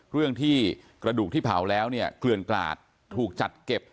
เรื่องที่กระดูกที่เผาแล้วเนี่ยเกลื่อนกลาดถูกจัดเก็บ